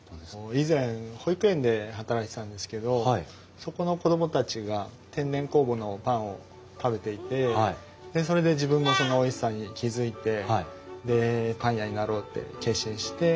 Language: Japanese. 以前保育園で働いてたんですけどそこの子供たちが天然酵母のパンを食べていてそれで自分もそのおいしさに気付いてでパン屋になろうって決心して。